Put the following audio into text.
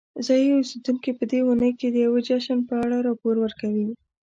ځایی اوسیدونکي په دې اونۍ کې د یوې جشن په اړه راپور ورکوي.